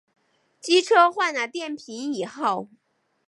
机车换了电瓶以后